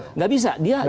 tidak bisa dia alami